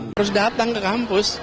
harus datang ke kampus